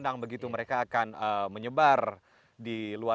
yang diternakan warga